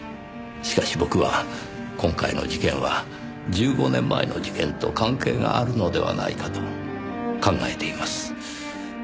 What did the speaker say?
しかし僕は今回の事件は１５年前の事件と関係があるのではないかと考えています。